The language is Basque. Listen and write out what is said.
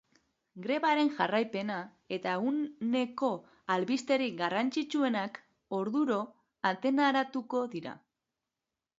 Grebaren jarraipena eta eguneko albisterik garrantzitsuenak orduro antenaratuko dira.